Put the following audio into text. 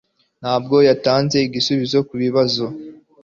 Ntabwo yatanze igisubizo kubibazo.